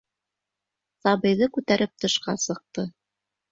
Сабыйҙы күтәреп тышҡа сыҡты.